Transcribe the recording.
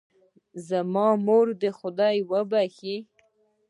زما مور دې خدای وبښئ